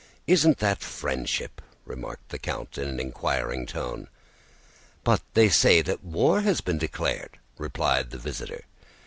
Isn't that friendship?" remarked the count in an inquiring tone. "But they say that war has been declared," replied the visitor.